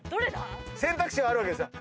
選択肢はあるわけですね。